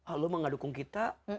ah lo mau gak dukung kita